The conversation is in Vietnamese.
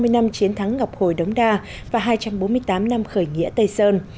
ba mươi năm chiến thắng ngọc hồi đống đa và hai trăm bốn mươi tám năm khởi nghĩa tây sơn